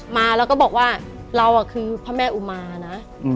มาแล้วก็บอกว่าเราคือพระแม่อุมานะ